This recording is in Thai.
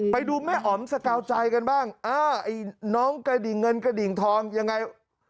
ไปดูแม่อ๋อมสกาวใจกันบ้างเออไอ้น้องกระดิ่งเงินกระดิ่งทองยังไง